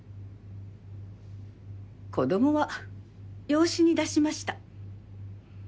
子供は養子に出しました。